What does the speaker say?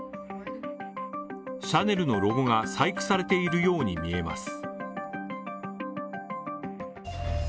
シャネルのロゴが細工されているように見えます。